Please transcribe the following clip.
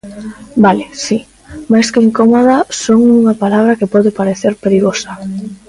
Vale si, máis que incómoda son unha palabra que pode parecer perigosa.